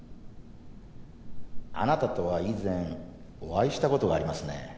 あなたとは以前お会いした事がありますね。